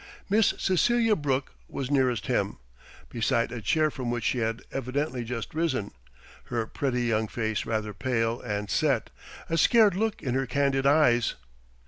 Miss Cecelia Brooke was nearest him, beside a chair from which she had evidently just risen, her pretty young face rather pale and set, a scared look in her candid eyes.